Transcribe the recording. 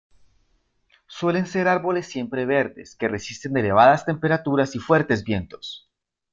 Suelen ser árboles siempre verdes, que resisten elevadas temperaturas y fuertes vientos.